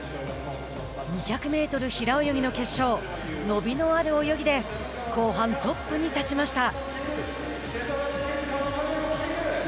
２００メートル平泳ぎの決勝伸びのある泳ぎで後半トップに立ちました。